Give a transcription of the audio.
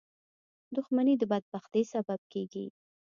• دښمني د بدبختۍ سبب کېږي.